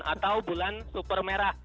atau bulan super merah